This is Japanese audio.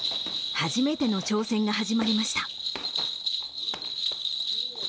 初めての挑戦が始まりました。